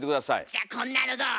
じゃこんなのどう？